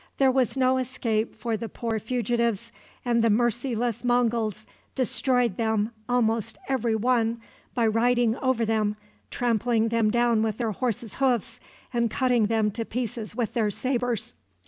There was no escape for the poor fugitives, and the merciless Monguls destroyed them almost every one by riding over them, trampling them down with their horses' hoofs, and cutting them to pieces with their sabres.